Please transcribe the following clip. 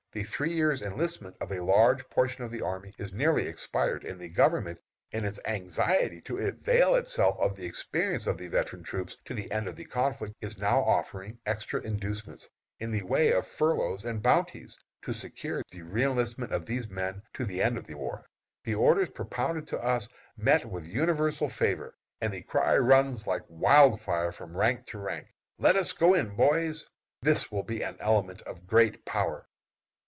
The three years' enlistment of a large portion of the army is nearly expired, and the Government, in its anxiety to avail itself of the experience of the veteran troops to the end of the conflict, is now offering extra inducements, in the way of furloughs and bounties, to secure the reënlistment of these men to the end of the war. The orders propounded to us meet with universal favor, and the cry runs like wild fire from rank to rank, "let us go in, boys!" This will be an element of great power.